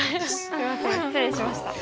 すいません失礼しました。